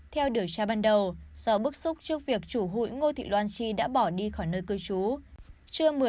theo điều tra ban đầu do bức xúc trước việc chủ hụi ngô thị loan chi đã bỏ đi khỏi nơi cư trú